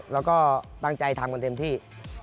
แล้วก็ตั้งใจทำกันเต็มที่